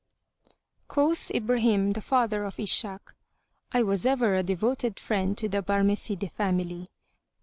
Quoth Ibrahim the father of Ishak,[FN#172] I was ever a devoted friend to the Barmecide family.